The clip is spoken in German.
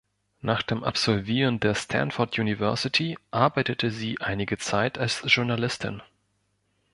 Nach dem Absolvieren der Stanford University arbeitete sie einige Zeit als Journalistin.